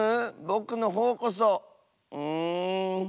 ぼくのほうこそうん。